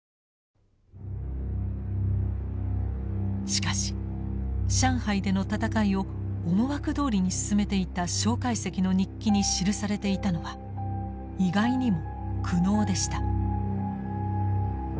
しかし上海での戦いを思惑どおりに進めていた介石の日記に記されていたのは意外にも苦悩でした。